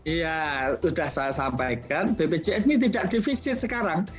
iya sudah saya sampaikan bpjs ini tidak defisit sekarang